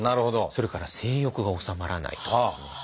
それから性欲が収まらないとかですね